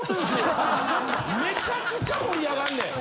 めちゃくちゃ盛り上がるねん。